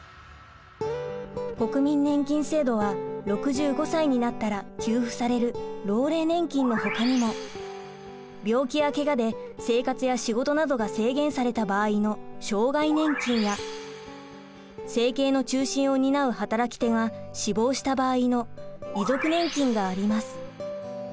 国民年金制度は６５歳になったら給付される老齢年金のほかにも病気やけがで生活や仕事などが制限された場合の障害年金や生計の中心を担う働き手が死亡した場合の遺族年金があります。